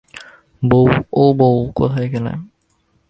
বউ, ও বউ, বউ কোথায় গেল।